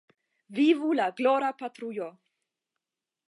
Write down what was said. Vivu la glora patrujo!